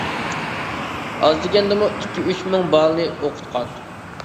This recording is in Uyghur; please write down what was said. ئاز دېگەندىمۇ ئىككى-ئۈچ مىڭ بالىنى ئوقۇتقان.